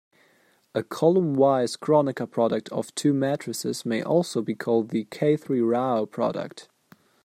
A column-wise Kronecker product of two matrices may also be called the Khatri-Rao product.